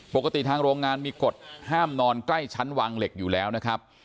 ปกติทางโรงงานมีกฎห้ามนอนใกล้ชั้นวางเหล็กอยู่แล้วนะครับ